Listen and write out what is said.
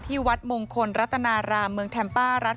ที่วัดมงคลรัตนารามเมืองแถมเป้อรัส